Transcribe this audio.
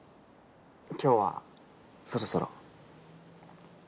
今日はそろそろ。